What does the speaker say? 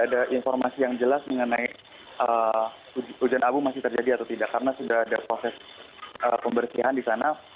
ada informasi yang jelas mengenai hujan abu masih terjadi atau tidak karena sudah ada proses pembersihan di sana